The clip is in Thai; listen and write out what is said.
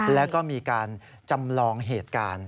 แล้วก็มีการจำลองเหตุการณ์